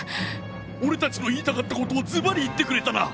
「俺たちの言いたかったことをずばり言ってくれたな」。